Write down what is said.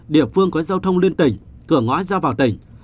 địa phương có giao thông liên tỉnh cửa ngõ ra vào tỉnh